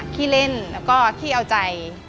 ขี้เล่นแล้วก็ขี้เอาใจ